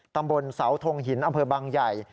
ตำบลเสาทงหินอำเภอบางใหญ่